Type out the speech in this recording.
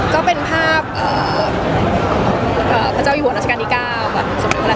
ก็เป็นภาพพระเจ้าหญิงหัวรัชกาลที่๙แบบสมมุติขนาดนี้